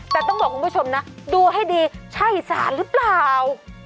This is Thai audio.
แต่ต้องบอกคุณผู้ชมนะดูให้ดีใช่สารหรือเปล่า